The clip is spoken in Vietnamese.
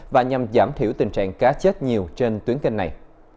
và nhằm giảm thiểu tình trạng cá chết nhiều trên tuyến kênh này